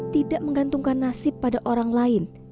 tidak menggantungkan nasib pada orang lain